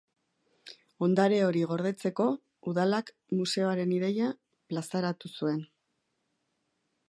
Ondare hori gordetzeko Udalak museoaren ideia plazaratu zuen.